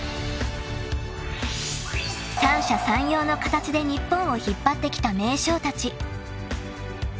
［三者三様の形で日本を引っ張ってきた名将たち］